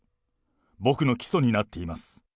僕の基礎になっています。